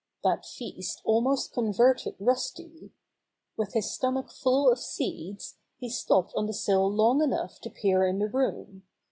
That feast almost converted Rusty. With his stomach full of seeds, he stopped on the sill long enough to peer in the room.